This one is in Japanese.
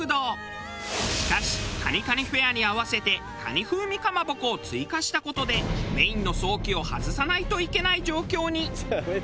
しかし蟹蟹フェアに合わせて蟹風味かまぼこを追加した事でメインのソーキを外さないといけない状況に。